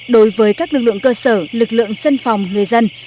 đối với các lực lượng cơ sở lực lượng dân phòng người dân